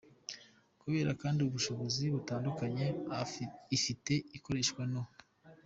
Kubera kandi ubushobozi butandunye ifite ikoreshwa no